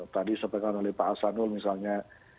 tadi sempatkan oleh pak asanul misalnya